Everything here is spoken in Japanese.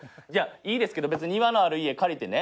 いいですけど別に庭のある家借りてね。